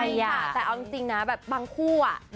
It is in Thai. อะไรอ่ะแต่เอาจริงนะแบบบางคู่อ่ะ